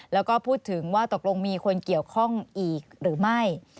แล้วก็พูดถึงว่าตกลงมีคนเกี่ยวข้องอีกหรือไม่